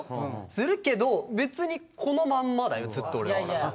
するけど別にこのまんまだよずっと俺は。